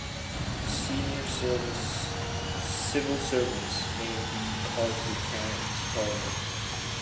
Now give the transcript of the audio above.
Senior civil servants may be called to account to Parliament.